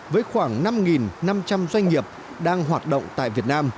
với khoảng năm năm trăm linh doanh nghiệp đang hoạt động tại việt nam